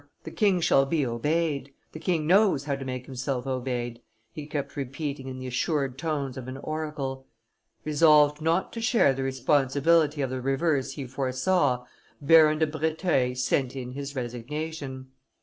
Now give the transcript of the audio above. The king shall be obeyed, the king knows how to make himself obeyed," he kept repeating in the assured tones of an oracle. Resolved not to share the responsibility of the reverse he foresaw, Baron de Breteuil sent in his resignation.